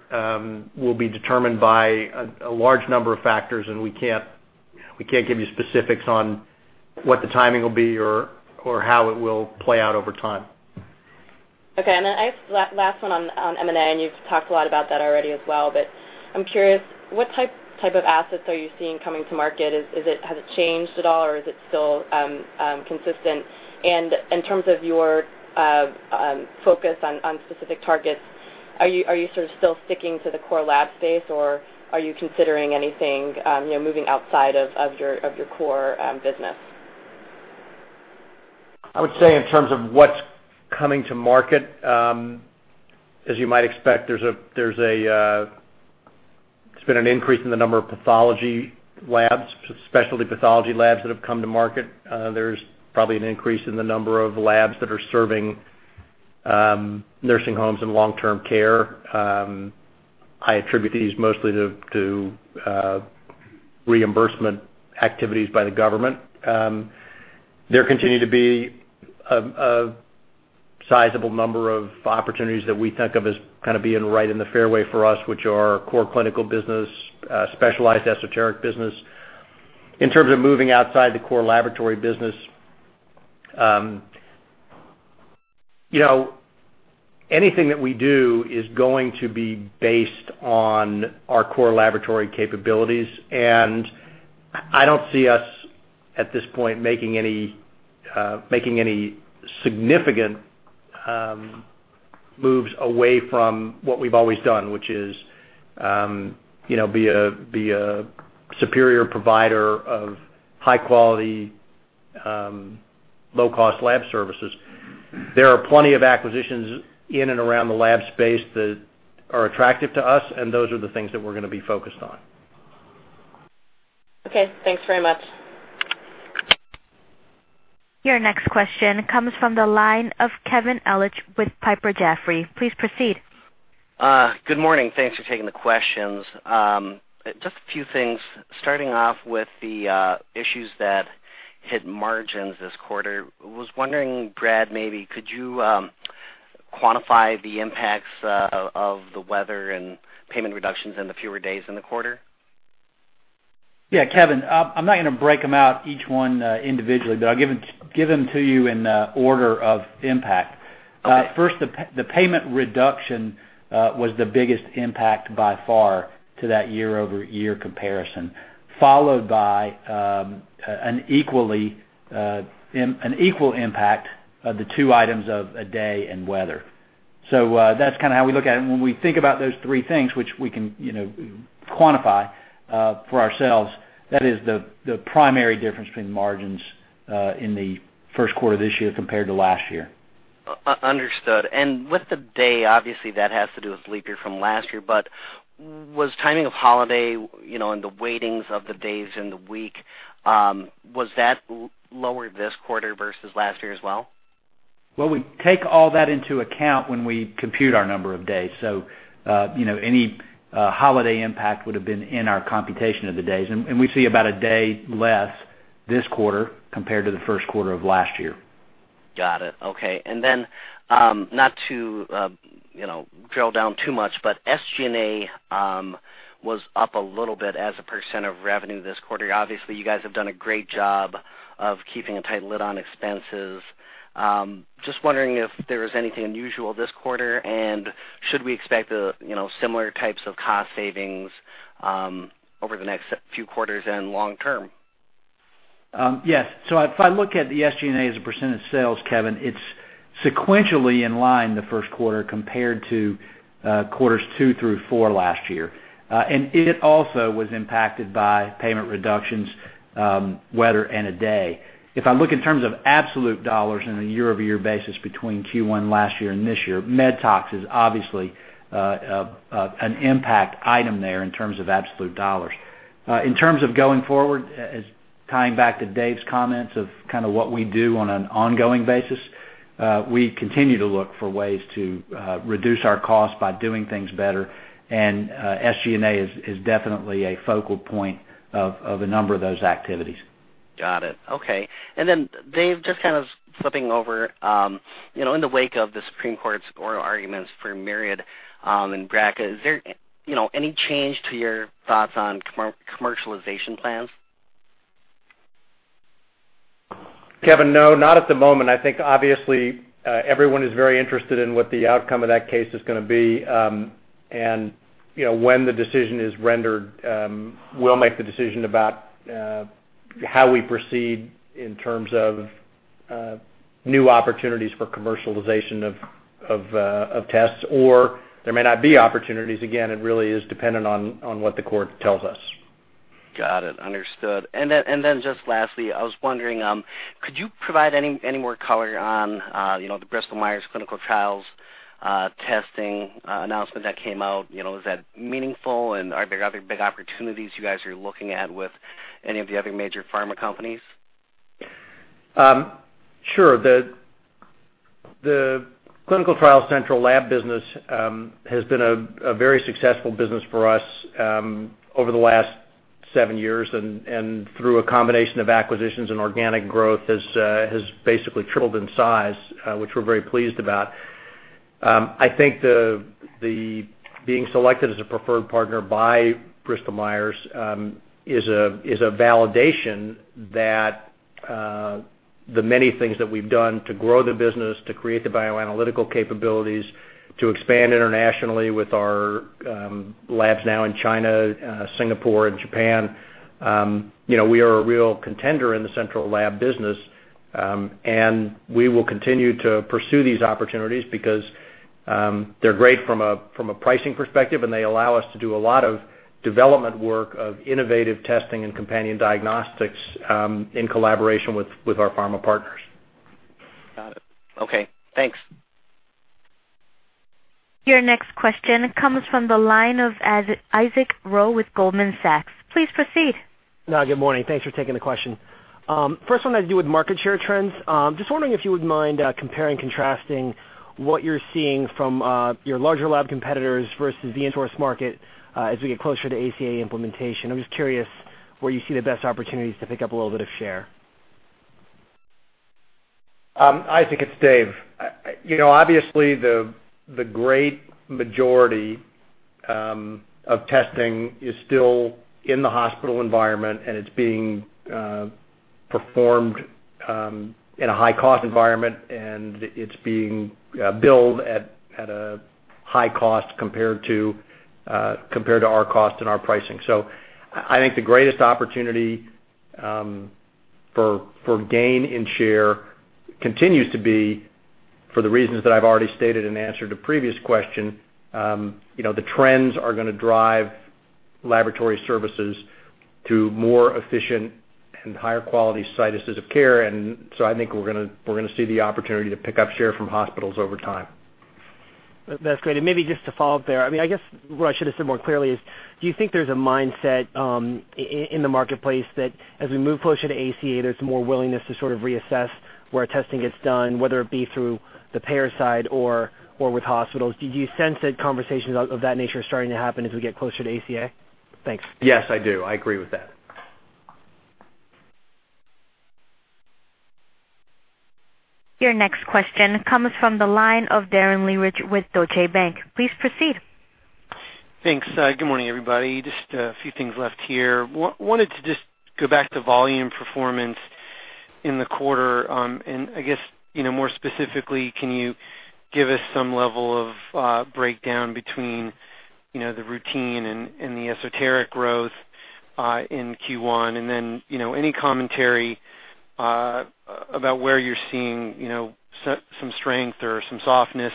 will be determined by a large number of factors, and we can't give you specifics on what the timing will be or how it will play out over time.
Okay. I guess last one on M&A, and you've talked a lot about that already as well, but I'm curious, what type of assets are you seeing coming to market? Has it changed at all, or is it still consistent? In terms of your focus on specific targets, are you sort of still sticking to the core lab space, or are you considering anything moving outside of your core business?
I would say in terms of what's coming to market, as you might expect, there's been an increase in the number of pathology labs, specialty pathology labs that have come to market. There's probably an increase in the number of labs that are serving nursing homes and long-term care. I attribute these mostly to reimbursement activities by the government. There continue to be a sizable number of opportunities that we think of as kind of being right in the fairway for us, which are core clinical business, specialized esoteric business. In terms of moving outside the core laboratory business, anything that we do is going to be based on our core laboratory capabilities. I don't see us at this point making any significant moves away from what we've always done, which is be a superior provider of high-quality, low-cost lab services. There are plenty of acquisitions in and around the lab space that are attractive to us, and those are the things that we're going to be focused on.
Okay. Thanks very much. Your next question comes from the line of Kevin Ellich with Piper Jaffray. Please proceed.
Good morning. Thanks for taking the questions. Just a few things. Starting off with the issues that hit margins this quarter, I was wondering, Brad, maybe could you quantify the impacts of the weather and payment reductions in the fewer days in the quarter?
Yeah, Kevin. I'm not going to break them out each one individually, but I'll give them to you in order of impact. First, the payment reduction was the biggest impact by far to that year-over-year comparison, followed by an equal impact of the two items of day and weather. That's kind of how we look at it. When we think about those three things, which we can quantify for ourselves, that is the primary difference between margins in the first quarter of this year compared to last year.
Understood. With the day, obviously, that has to do with leap year from last year, but was timing of holiday and the weightings of the days in the week, was that lower this quarter versus last year as well?
We take all that into account when we compute our number of days. Any holiday impact would have been in our computation of the days. We see about a day less this quarter compared to the first quarter of last year.
Got it. Okay. SG&A was up a little bit as a percent of revenue this quarter. Obviously, you guys have done a great job of keeping a tight lid on expenses. Just wondering if there was anything unusual this quarter, and should we expect similar types of cost savings over the next few quarters and long term?
Yes. If I look at the SG&A as a percent of sales, Kevin, it's sequentially in line the first quarter compared to quarters two through four last year. It also was impacted by payment reductions, weather, and a day. If I look in terms of absolute dollars on a year-over-year basis between Q1 last year and this year, MedTox is obviously an impact item there in terms of absolute dollars. In terms of going forward, tying back to Dave's comments of kind of what we do on an ongoing basis, we continue to look for ways to reduce our costs by doing things better. SG&A is definitely a focal point of a number of those activities.
Got it. Okay. Dave, just kind of flipping over, in the wake of the Supreme Court's oral arguments for Myriad and BRCA, is there any change to your thoughts on commercialization plans?
Kevin, no, not at the moment. I think obviously everyone is very interested in what the outcome of that case is going to be. When the decision is rendered, we'll make the decision about how we proceed in terms of new opportunities for commercialization of tests. Or there may not be opportunities. Again, it really is dependent on what the court tells us.
Got it. Understood. Lastly, I was wondering, could you provide any more color on the Bristol-Myers Clinical Trials testing announcement that came out? Is that meaningful, and are there other big opportunities you guys are looking at with any of the other major pharma companies?
Sure. The Clinical Trials Central lab business has been a very successful business for us over the last seven years, and through a combination of acquisitions and organic growth, has basically tripled in size, which we're very pleased about. I think being selected as a preferred partner by Bristol-Myers is a validation that the many things that we've done to grow the business, to create the bioanalytical capabilities, to expand internationally with our labs now in China, Singapore, and Japan, we are a real contender in the central lab business. We will continue to pursue these opportunities because they're great from a pricing perspective, and they allow us to do a lot of development work of innovative testing and companion diagnostics in collaboration with our pharma partners.
Got it. Okay. Thanks.
Your next question comes from the line of Isaac Rowe with Goldman Sachs. Please proceed.
Good morning. Thanks for taking the question. First, I wanted to do with market share trends. Just wondering if you would mind comparing and contrasting what you're seeing from your larger lab competitors versus the in-source market as we get closer to ACA implementation. I'm just curious where you see the best opportunities to pick up a little bit of share.
Isaac, it's Dave. Obviously, the great majority of testing is still in the hospital environment, and it's being performed in a high-cost environment, and it's being billed at a high cost compared to our cost and our pricing. I think the greatest opportunity for gain in share continues to be for the reasons that I've already stated in answer to the previous question. The trends are going to drive laboratory services to more efficient and higher quality sites of care. I think we're going to see the opportunity to pick up share from hospitals over time.
That's great. Maybe just to follow up there, I mean, I guess what I should have said more clearly is, do you think there's a mindset in the marketplace that as we move closer to ACA, there's more willingness to sort of reassess where testing gets done, whether it be through the payer side or with hospitals? Do you sense that conversations of that nature are starting to happen as we get closer to ACA? Thanks.
Yes, I do. I agree with that.
Your next question comes from the line of Darren Hewett with Deutsche Bank. Please proceed.
Thanks. Good morning, everybody. Just a few things left here. Wanted to just go back to volume performance in the quarter. And I guess more specifically, can you give us some level of breakdown between the routine and the esoteric growth in Q1? Any commentary about where you're seeing some strength or some softness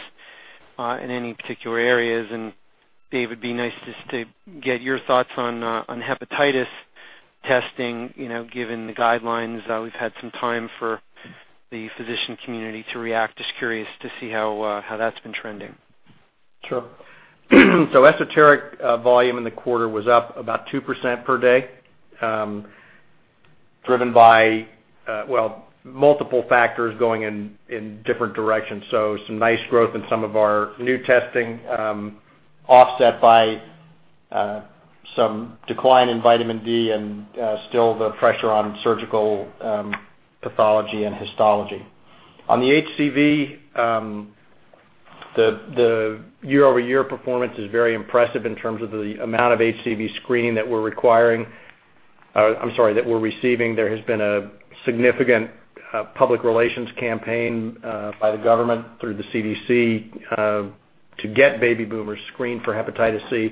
in any particular areas. Dave, it'd be nice just to get your thoughts on hepatitis testing given the guidelines. We've had some time for the physician community to react. Just curious to see how that's been trending.
Sure. Esoteric volume in the quarter was up about 2% per day, driven by multiple factors going in different directions. Some nice growth in some of our new testing, offset by some decline in vitamin D and still the pressure on surgical pathology and histology. On the HCV, the year-over-year performance is very impressive in terms of the amount of HCV screening that we're requiring or, I'm sorry, that we're receiving. There has been a significant public relations campaign by the government through the CDC to get baby boomers screened for hepatitis C.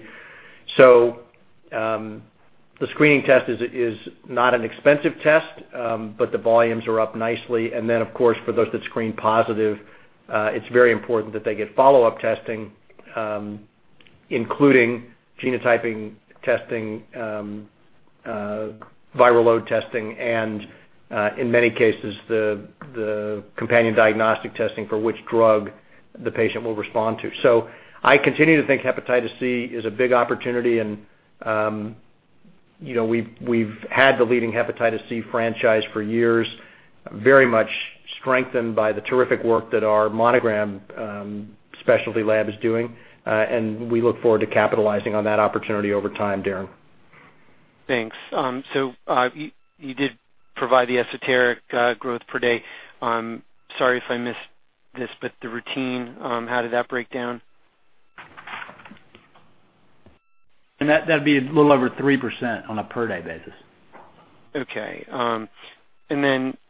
The screening test is not an expensive test, but the volumes are up nicely. Of course, for those that screen positive, it's very important that they get follow-up testing, including genotyping testing, viral load testing, and in many cases, the companion diagnostic testing for which drug the patient will respond to. I continue to think hepatitis C is a big opportunity, and we've had the leading hepatitis C franchise for years, very much strengthened by the terrific work that our Monogram specialty lab is doing. We look forward to capitalizing on that opportunity over time, Darren.
Thanks. You did provide the esoteric growth per day. Sorry if I missed this, but the routine, how did that break down?
That would be a little over 3% on a per-day basis. Okay.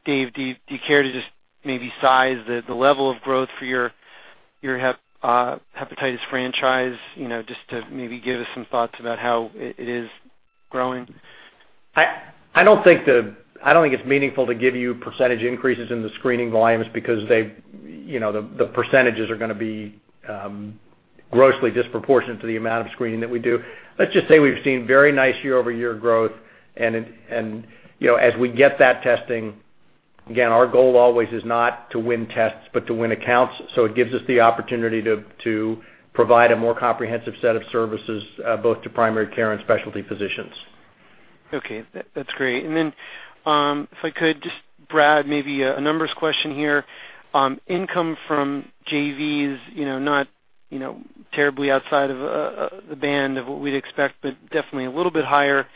Dave, do you care to just maybe size the level of growth for your hepatitis franchise just to maybe give us some thoughts about how it is growing?
I do not think it is meaningful to give you percentage increases in the screening volumes because the percentages are going to be grossly disproportionate to the amount of screening that we do. Let's just say we have seen very nice year-over-year growth. As we get that testing, again, our goal always is not to win tests, but to win accounts. It gives us the opportunity to provide a more comprehensive set of services both to primary care and specialty physicians.
Okay. That is great. If I could, just Brad, maybe a numbers question here. Income from JVs not terribly outside of the band of what we would expect, but definitely a little bit higher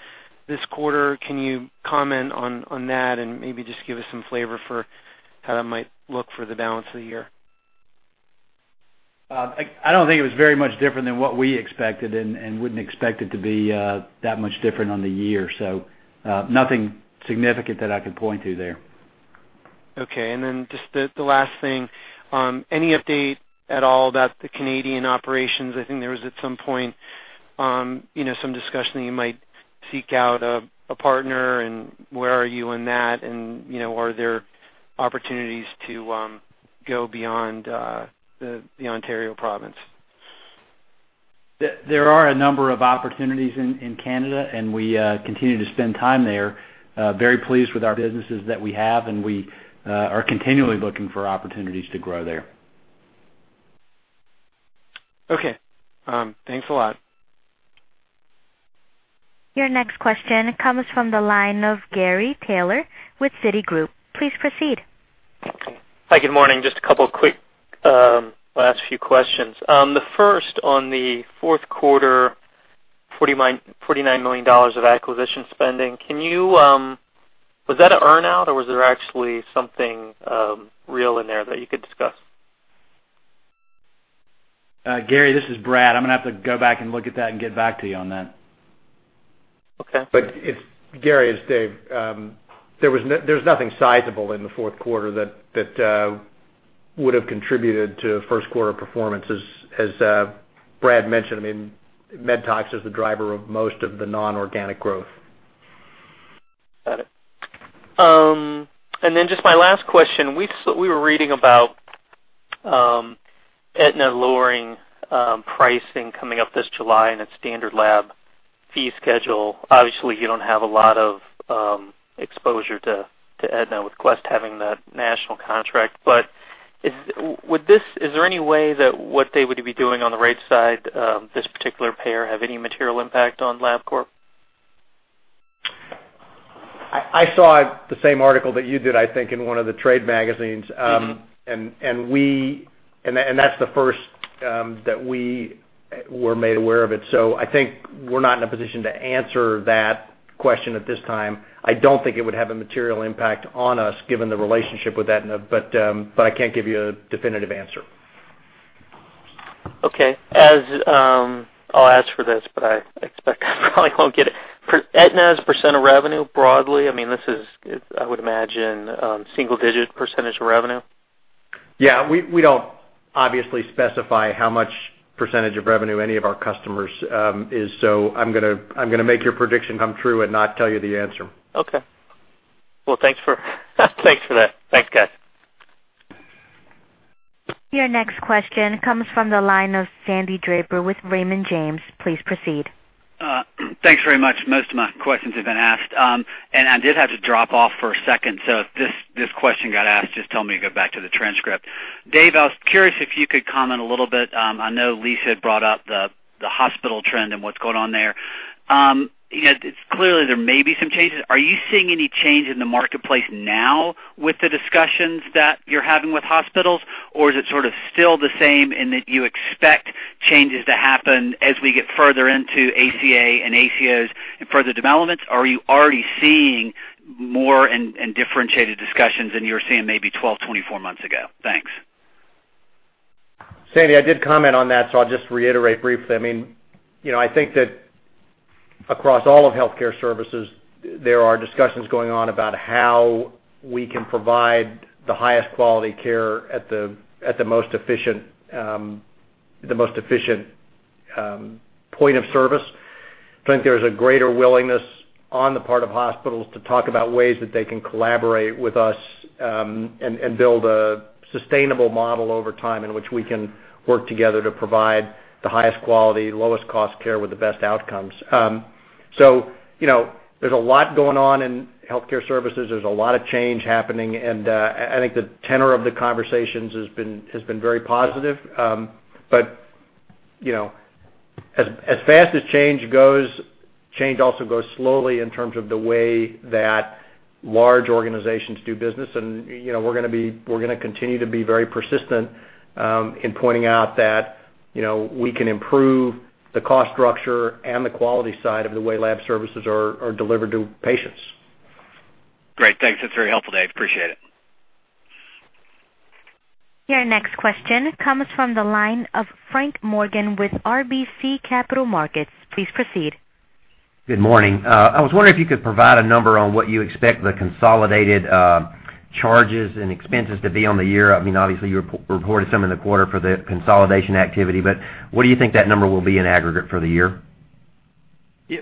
this quarter. Can you comment on that and maybe just give us some flavor for how that might look for the balance of the year?
I don't think it was very much different than what we expected and wouldn't expect it to be that much different on the year. Nothing significant that I could point to there.
Okay. And then just the last thing, any update at all about the Canadian operations? I think there was at some point some discussion that you might seek out a partner, and where are you in that? Are there opportunities to go beyond the Ontario province?
There are a number of opportunities in Canada, and we continue to spend time there. Very pleased with our businesses that we have, and we are continually looking for opportunities to grow there.
Okay. Thanks a lot.
Your next question comes from the line of Gary Taylor with Citigroup. Please proceed.
Hi. Good morning. Just a couple of quick last few questions. The first on the fourth quarter, $49 million of acquisition spending, was that an earn-out, or was there actually something real in there that you could discuss?
Gary, this is Brad. I'm going to have to go back and look at that and get back to you on that.
Okay.
But Gary, as Dave, there was nothing sizable in the fourth quarter that would have contributed to first quarter performance, as Brad mentioned. I mean, MedTox is the driver of most of the non-organic growth.
Got it. And then just my last question. We were reading about Aetna lowering pricing coming up this July in its standard lab fee schedule. Obviously, you do not have a lot of exposure to Aetna with Quest having that national contract. Is there any way that what they would be doing on the right side, this particular payer, could have any material impact on Labcorp?
I saw the same article that you did, I think, in one of the trade magazines. That is the first that we were made aware of it. I think we are not in a position to answer that question at this time. I do not think it would have a material impact on us given the relationship with Aetna, but I cannot give you a definitive answer.
Okay. I will ask for this, but I expect I probably will not get it. Aetna's percent of revenue broadly, I mean, this is, I would imagine, a single-digit percentage of revenue?
Yeah. We do not obviously specify how much percentage of revenue any of our customers is. I am going to make your prediction come true and not tell you the answer.
Okay. Thanks for that. Thanks, guys. Your next question comes from the line of Sandy Draper with Raymond James. Please proceed.
Thanks very much. Most of my questions have been asked. I did have to drop off for a second. If this question got asked, just tell me to go back to the transcript. Dave, I was curious if you could comment a little bit. I know Lisa had brought up the hospital trend and what is going on there. Clearly, there may be some changes. Are you seeing any change in the marketplace now with the discussions that you're having with hospitals, or is it sort of still the same in that you expect changes to happen as we get further into ACA and ACOs and further developments? Or are you already seeing more and differentiated discussions than you were seeing maybe 12, 24 months ago? Thanks.
Sandy, I did comment on that, so I'll just reiterate briefly. I mean, I think that across all of healthcare services, there are discussions going on about how we can provide the highest quality care at the most efficient point of service. I think there's a greater willingness on the part of hospitals to talk about ways that they can collaborate with us and build a sustainable model over time in which we can work together to provide the highest quality, lowest cost care with the best outcomes. There is a lot going on in healthcare services. There is a lot of change happening. I think the tenor of the conversations has been very positive. As fast as change goes, change also goes slowly in terms of the way that large organizations do business. We are going to continue to be very persistent in pointing out that we can improve the cost structure and the quality side of the way lab services are delivered to patients.
Great. Thanks. That is very helpful, Dave. Appreciate it.
Your next question comes from the line of Frank Morgan with RBC Capital Markets. Please proceed.
Good morning. I was wondering if you could provide a number on what you expect the consolidated charges and expenses to be on the year. I mean, obviously, you reported some in the quarter for the consolidation activity. But what do you think that number will be in aggregate for the year?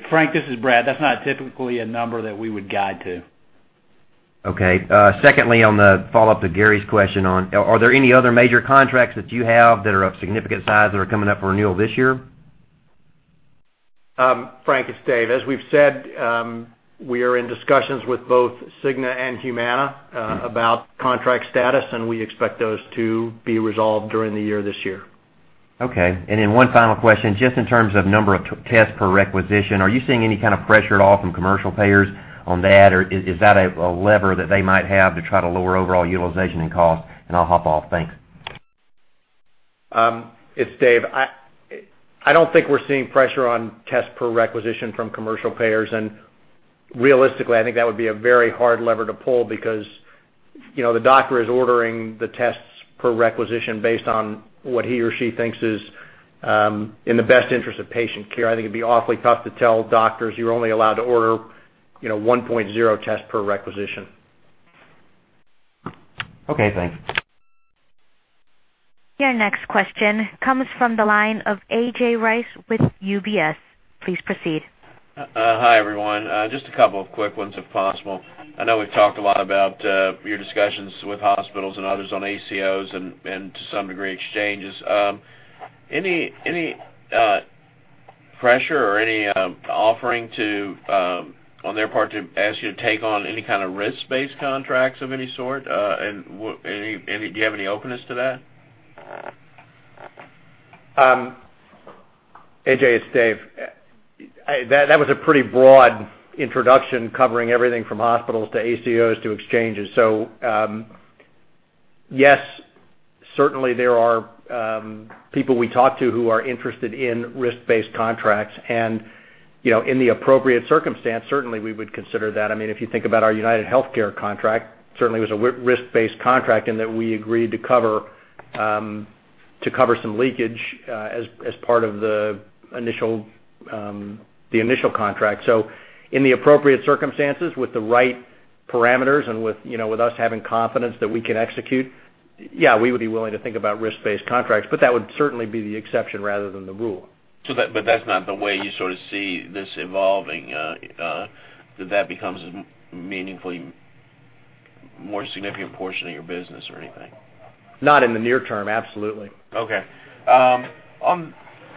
Frank, this is Brad. That's not typically a number that we would guide to.
Okay. Secondly, on the follow-up to Gary's question, are there any other major contracts that you have that are of significant size that are coming up for renewal this year?
Frank, it's Dave. As we've said, we are in discussions with both Cigna and Humana about contract status, and we expect those to be resolved during the year this year.
Okay. And then one final question, just in terms of number of tests per requisition, are you seeing any kind of pressure at all from commercial payers on that, or is that a lever that they might have to try to lower overall utilization and cost? And I'll hop off. Thanks.
It's Dave. I don't think we're seeing pressure on tests per requisition from commercial payers. Realistically, I think that would be a very hard lever to pull because the doctor is ordering the tests per requisition based on what he or she thinks is in the best interest of patient care. I think it'd be awfully tough to tell doctors you're only allowed to order 1.0 tests per requisition.
Okay. Thanks. Your next question comes from the line of AJ Rice with UBS. Please proceed.
Hi, everyone. Just a couple of quick ones, if possible. I know we've talked a lot about your discussions with hospitals and others on ACOs and, to some degree, exchanges. Any pressure or any offering on their part to ask you to take on any kind of risk-based contracts of any sort? Do you have any openness to that?
AJ, it's Dave. That was a pretty broad introduction covering everything from hospitals to ACOs to exchanges. Yes, certainly, there are people we talk to who are interested in risk-based contracts. In the appropriate circumstance, certainly, we would consider that. I mean, if you think about our UnitedHealthcare contract, certainly, it was a risk-based contract in that we agreed to cover some leakage as part of the initial contract. In the appropriate circumstances, with the right parameters and with us having confidence that we can execute, yeah, we would be willing to think about risk-based contracts. That would certainly be the exception rather than the rule.
That is not the way you sort of see this evolving. That becomes a meaningfully more significant portion of your business or anything.
Not in the near term. Absolutely.
Okay. On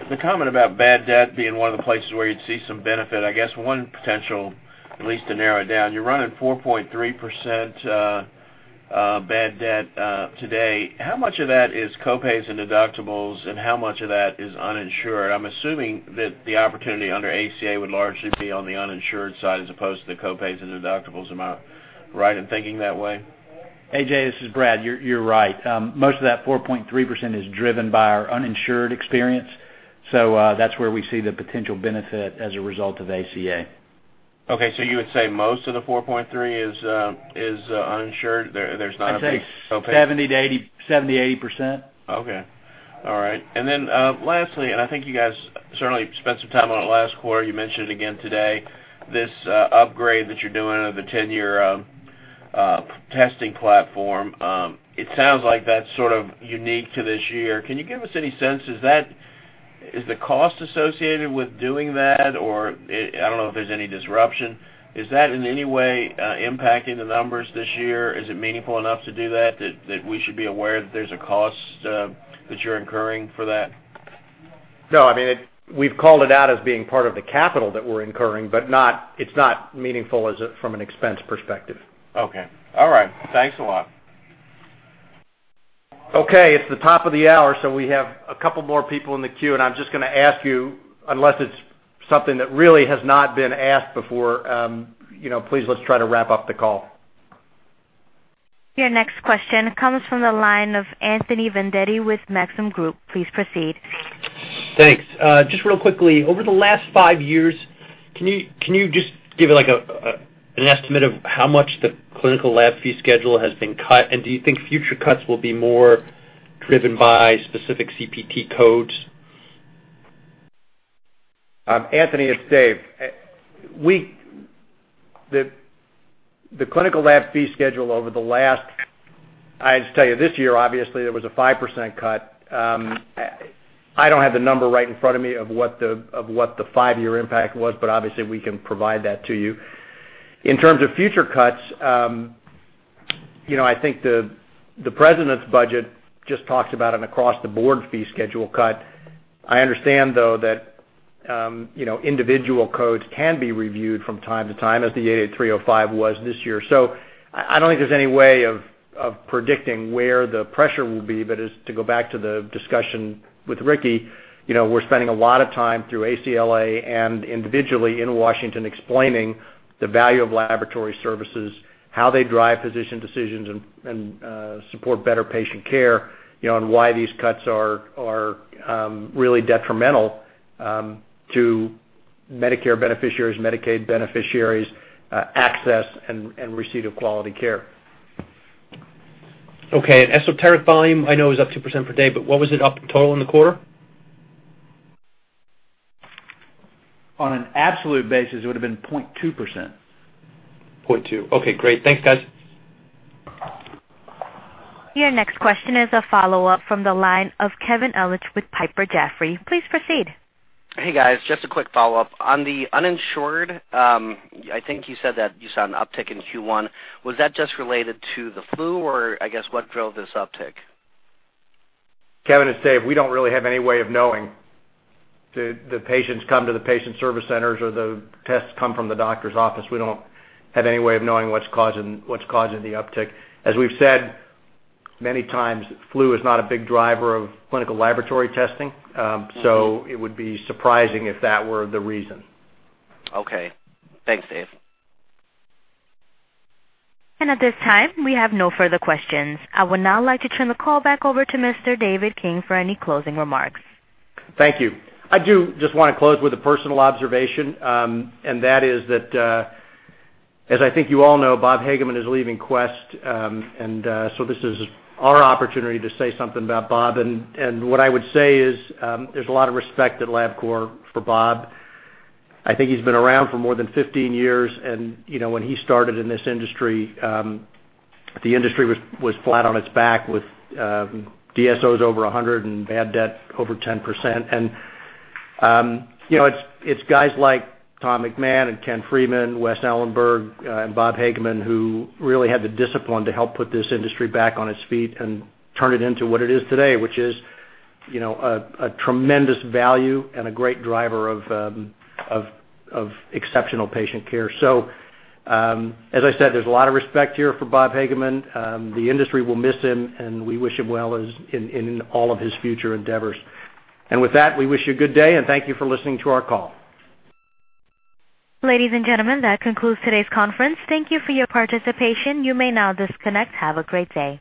the comment about bad debt being one of the places where you'd see some benefit, I guess one potential, at least to narrow it down, you're running 4.3% bad debt today. How much of that is copays and deductibles, and how much of that is uninsured? I'm assuming that the opportunity under ACA would largely be on the uninsured side as opposed to the copays and deductibles. Am I right in thinking that way?
AJ, this is Brad. You're right. Most of that 4.3% is driven by our uninsured experience. So that's where we see the potential benefit as a result of ACA.
Okay. So you would say most of the 4.3% is uninsured? There's not a big copay?
I'd say 70-80%.
Okay. All right. And then lastly, and I think you guys certainly spent some time on it last quarter. You mentioned it again today, this upgrade that you're doing of the 10-year testing platform. It sounds like that's sort of unique to this year. Can you give us any sense? Is the cost associated with doing that, or I don't know if there's any disruption? Is that in any way impacting the numbers this year? Is it meaningful enough to do that that we should be aware that there's a cost that you're incurring for that?
No. I mean, we've called it out as being part of the capital that we're incurring, but it's not meaningful from an expense perspective.
Okay. All right. Thanks a lot.
Okay. It's the top of the hour, so we have a couple more people in the queue. I'm just going to ask you, unless it's something that really has not been asked before, please let's try to wrap up the call.
Your next question comes from the line of Anthony Vendetti with Maxim Group. Please proceed.
Thanks. Just real quickly, over the last five years, can you just give an estimate of how much the clinical lab fee schedule has been cut? And do you think future cuts will be more driven by specific CPT codes?
Anthony, it's Dave. The clinical lab fee schedule over the last, I'll just tell you, this year, obviously, there was a 5% cut. I don't have the number right in front of me of what the five-year impact was, but obviously, we can provide that to you. In terms of future cuts, I think the president's budget just talks about an across-the-board fee schedule cut. I understand, though, that individual codes can be reviewed from time to time, as the 88305 was this year. I do not think there is any way of predicting where the pressure will be. To go back to the discussion with Ricky, we are spending a lot of time through ACLA and individually in Washington explaining the value of laboratory services, how they drive physician decisions and support better patient care, and why these cuts are really detrimental to Medicare beneficiaries, Medicaid beneficiaries' access and receipt of quality care.
Okay. Esoteric volume, I know it was up 2% per day, but what was it up in total in the quarter?
On an absolute basis, it would have been 0.2%. 0.2%.
Okay. Great. Thanks, guys.
Your next question is a follow-up from the line of Kevin Ellich with Piper Jaffray. Please proceed.
Hey, guys. Just a quick follow-up. On the uninsured, I think you said that you saw an uptick in Q1.
Was that just related to the flu, or I guess what drove this uptick? Kevin and Dave, we do not really have any way of knowing. The patients come to the patient service centers, or the tests come from the doctor's office. We do not have any way of knowing what is causing the uptick. As we have said many times, flu is not a big driver of clinical laboratory testing. It would be surprising if that were the reason.
Okay. Thanks, Dave.
At this time, we have no further questions. I would now like to turn the call back over to Mr. David King for any closing remarks.
Thank you. I do just want to close with a personal observation. That is that, as I think you all know, Bob Hagemann is leaving Quest. This is our opportunity to say something about Bob. What I would say is there's a lot of respect at Labcorp for Bob. I think he's been around for more than 15 years. When he started in this industry, the industry was flat on its back with DSOs over 100 and bad debt over 10%. It's guys like Tom McMahon and Ken Freeman, Wes Ellinberg, and Bob Hagemann who really had the discipline to help put this industry back on its feet and turn it into what it is today, which is a tremendous value and a great driver of exceptional patient care. As I said, there's a lot of respect here for Bob Hagemann. The industry will miss him, and we wish him well in all of his future endeavors. With that, we wish you a good day, and thank you for listening to our call.
Ladies and gentlemen, that concludes today's conference. Thank you for your participation. You may now disconnect. Have a great day.